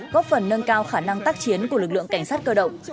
góp phần nâng cao khả năng tác chiến của lực lượng cảnh sát cơ động